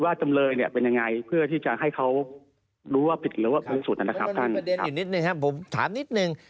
ประเด็นนี่นิดนึงครับผมถามนิดนึง